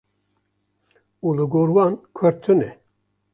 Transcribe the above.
û li gor wan Kurd tune.